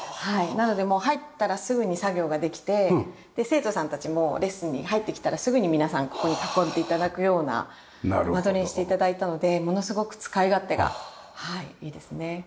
なのでもう入ったらすぐに作業ができてで生徒さんたちもレッスンに入ってきたらすぐに皆さんここに囲んで頂くような間取りにして頂いたのでものすごく使い勝手がいいですね。